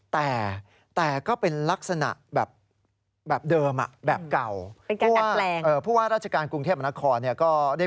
แต่แต่ก็เป็นลักษณะแบบเดิมครับ